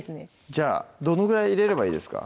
じゃあどのぐらい入れればいいですか？